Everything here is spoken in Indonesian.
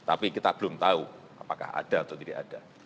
tapi kita belum tahu apakah ada atau tidak ada